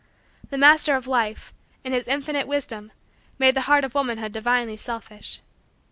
The Master of Life, in His infinite wisdom, made the heart of womanhood divinely selfish.